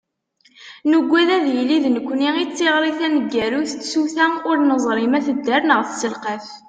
Nugad ad yili d nekkni i d tiɣri taneggarut n tsuta ur neẓri ma tedder neɣ tesselqaf.